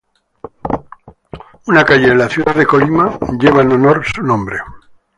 Una calle de la ciudad de Colima lleva en honor su nombre.